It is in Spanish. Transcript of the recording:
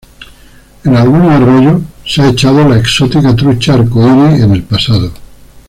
En algunos arroyos se ha echado la exótica trucha arcoiris en el pasado.